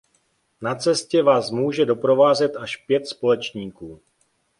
Na cestě Vás může doprovázet až pět společníků.